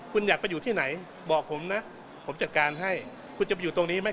คุณอยากไปอยู่ที่ไหนบอกผมนะผมจัดการให้คุณจะไปอยู่ตรงนี้ไหม